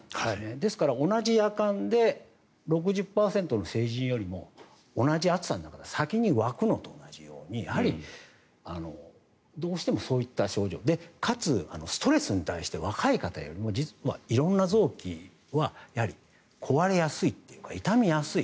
ですから同じやかんで６０％の成人よりも同じ熱さで先に沸くのと同じようにやはりどうしてもそういった症状かつ、ストレスに対して若い方よりも、色んな臓器はやはり壊れやすいというか傷みやすい。